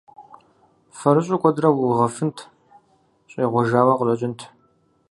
Фэрыщӏу куэдрэ угъыфынт – щӏегъуэжауэ къыщӏэкӏынт.